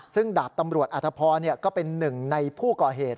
ซึ่งดาบตำรวจอธพรก็เป็นหนึ่งในผู้ก่อเหตุ